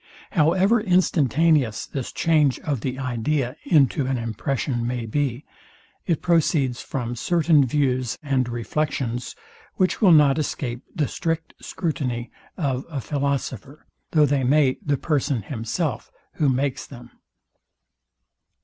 However instantaneous this change of the idea into an impression may be, it proceeds from certain views and reflections, which will not escape the strict scrutiny of a philosopher, though they may the person himself, who makes them.